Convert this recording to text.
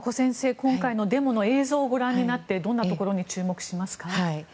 今回のデモの映像をご覧になってどんなところに注目しますか？